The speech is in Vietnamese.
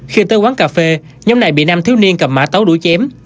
khi tới quán cà phê nhóm này bị nam thiếu niên cầm mã tấu đuổi chém